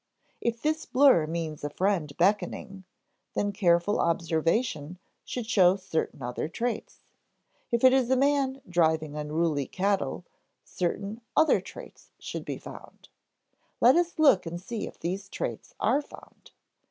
If this blur means a friend beckoning, then careful observation should show certain other traits. If it is a man driving unruly cattle, certain other traits should be found. Let us look and see if these traits are found.